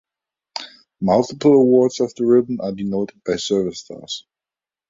Multiple awards of the ribbon are denoted by service stars.